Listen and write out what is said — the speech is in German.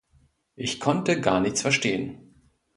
Ich konnte gar nichts verstehen.